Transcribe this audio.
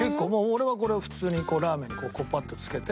俺はこれを普通にラーメンにパッとつけて。